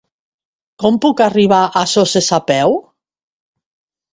Com puc arribar a Soses a peu?